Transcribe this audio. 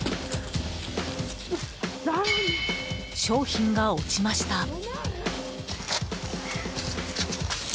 商品が落ちました。